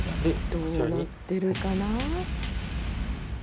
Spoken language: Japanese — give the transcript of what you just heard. どうなってるかな？